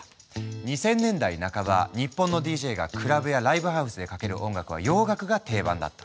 ２０００年代半ば日本のＤＪがクラブやライブハウスでかける音楽は洋楽が定番だった。